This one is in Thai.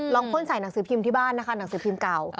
พ่นใส่หนังสือพิมพ์ที่บ้านนะคะหนังสือพิมพ์เก่า